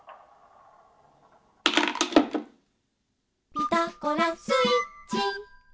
「ピタゴラスイッチ」